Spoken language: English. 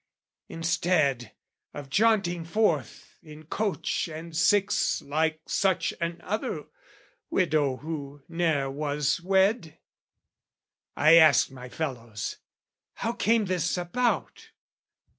Instead of jaunting forth in coach and six Like such another widow who ne'er was wed? I asked my fellows, how came this about?